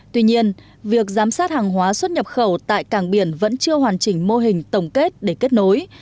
tuy nhiên việc giám sát hàng hóa xuất nhập khẩu tại cảng biển vẫn chưa hoàn chỉnh mô hình tổng kết để kết nối